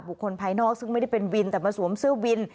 คนภายนอกซึ่งไม่ได้เป็นวินแต่มาสวมเสื้อวิน